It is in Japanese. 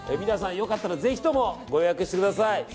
皆さんよかったらぜひともご予約してください。